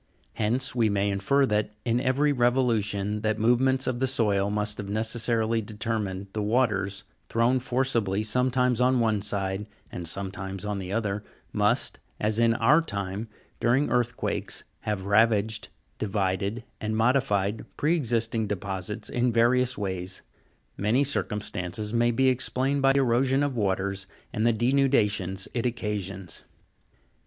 Hence we may infer that, in every revolution that movements of the soil must have necessarily determined, the waters, thrown forcibly sometimes on one side and sometimes on the other, must, as in our time during earth quakes, have ravaged, divided, and modified pre existing deposits in various ways. Many circumstances may be explained by erosion of waters, and the denudations it occasions.